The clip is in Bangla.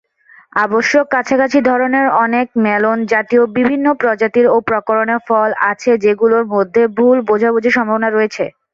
অবশ্য কাছাকাছি ধরনের অনেক মেলন জাতীয় বিভিন্ন প্রজাতি ও প্রকরণের ফল আছে যেগুলোর মধ্যে ভুল বোঝাবুঝির সম্ভাবনা রয়েছে।